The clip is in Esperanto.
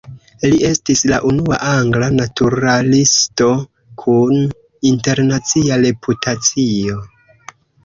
Li estis la unua angla naturalisto kun internacia reputacio.